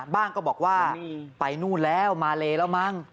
ก็บอกว่าไปนู่นแล้วมาเลแล้วมั้ง